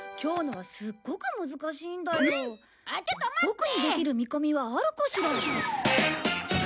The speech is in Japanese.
ボクにできるみこみはあるかしら？